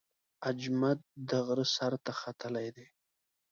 اجمد د غره سر ته ختلی دی.